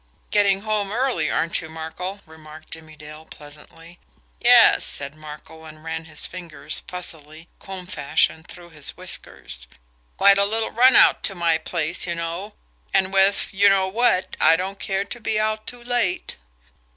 "Getting home early, aren't you, Markel?" remarked Jimmie Dale pleasantly. "Yes," said Markel, and ran his fingers fussily, comb fashion, through his whiskers. "Quite a little run out to my place, you know and with, you know what, I don't care to be out too late."